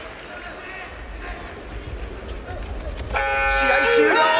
試合終了！